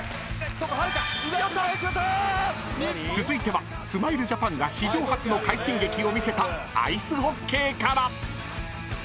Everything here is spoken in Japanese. ［続いてはスマイルジャパンが史上初の快進撃を見せたアイスホッケーから］